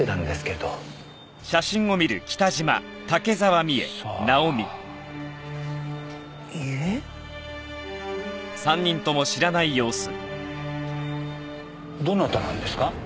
どなたなんですか？